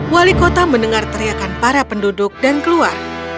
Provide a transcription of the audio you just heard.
wali kota mendengar teriakan para penduduk dan keluar